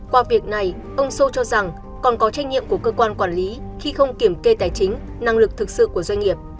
qua việc này ông sô cho rằng còn có trách nhiệm của cơ quan quản lý khi không kiểm kê tài chính năng lực thực sự của doanh nghiệp